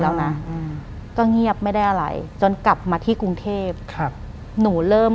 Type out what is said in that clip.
หลังจากนั้นเราไม่ได้คุยกันนะคะเดินเข้าบ้านอืม